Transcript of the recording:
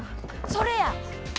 それや！